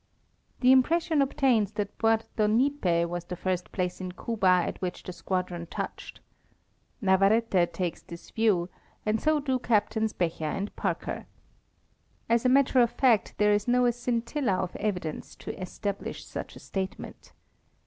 The impression obtains that Puerto Nipe was the first place in Cuba at which the squadron touched. Navar rete takes this view, and so do Captains Becher and Parker. As a matter of fact, there is not a scintilla of evidence to establish such a statement.